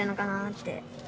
って。